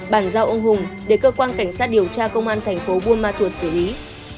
bàn giao ông hùng để cơ quan cảnh sát điều tra công an thành phố buôn ma thuột xử lý